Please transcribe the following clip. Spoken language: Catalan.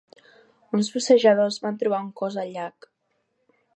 Uns bussejadors van trobar un cos al llac.